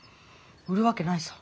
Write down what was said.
売るわけないさ。